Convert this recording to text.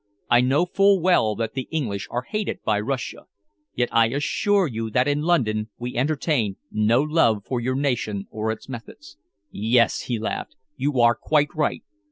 I know full well that the English are hated by Russia, yet I assure you that in London we entertain no love for your nation or its methods." "Yes," he laughed, "you are quite right.